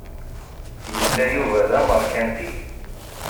Yella Yuba d ameṛkanti.